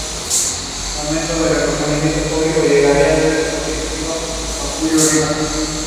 The remainder of the highway is mostly residential.